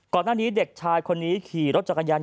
ก่อนหน้านานนี้เด็กชายคนนี้ขี่รถจัดกายันยนต์